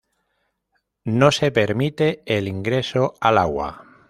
No se permite el ingreso al agua.